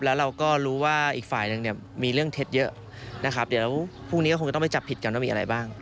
แล้วเราก็รู้ว่าอีกฝ่ายหนึ่งเนี่ยมีเรื่องเท็จเยอะนะครับเดี๋ยวพรุ่งนี้ก็คงจะต้องไปจับผิดกันว่ามีอะไรบ้าง